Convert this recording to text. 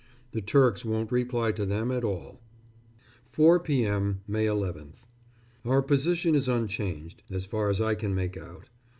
The Turks won't reply to them at all.... 4 p.m., May 11th. Our position is unchanged, as far as I can make out....